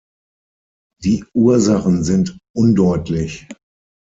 Die Ursachen sind undeutlich.